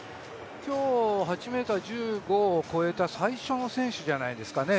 今日、８ｍ１５を超えた最初の選手じゃないですかね。